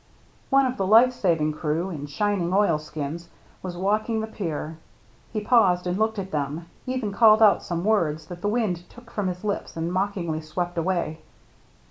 One of the life saving crew, in shining oil skins, was walking the pier; he paused and looked at them — even called out some words that the wind took from his lips and mock ingly swept away.